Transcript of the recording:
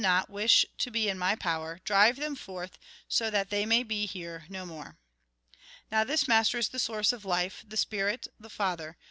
THE TRUE LIFE 67 wish to be in my power, drive them forth, so that they may be here no more.' " Now this master is the source of life, the spirit, the Father.